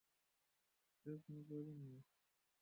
এর কোনো প্রয়োজন নাই।